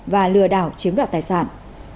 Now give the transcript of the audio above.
và lừa đảo chiếm đoạt tài sản